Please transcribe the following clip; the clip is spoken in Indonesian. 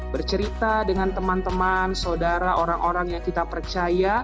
bercerita dengan teman teman saudara orang orang yang kita percaya